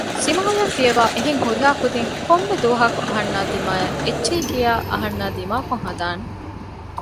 ސިމާޔާ ފިޔަވައި އެހެން ހުރިހާ ކުދިން ކޮންމެ ދުވަހަކު އަހަންނާ ދިމާއަށް އެއްޗެހި ކިޔާ އަހަންނާ ދިމާކޮށް ހަދާނެ